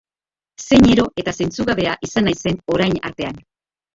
Zein ero eta zentzugabea izan naizen orain artean!